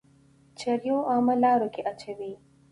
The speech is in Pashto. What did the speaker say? چريو او عامه لارو کي اچوئ.